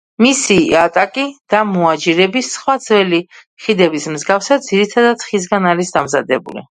მისი იატაკი და მოაჯირები სხვა ძველი ხიდების მსგავსად ძირითადად ხისგან არის დამზადებული.